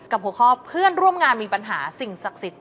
หัวข้อเพื่อนร่วมงานมีปัญหาสิ่งศักดิ์สิทธิ